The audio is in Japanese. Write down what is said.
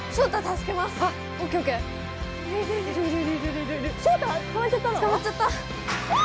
つかまっちゃった！